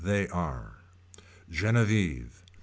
They are. Genevieve.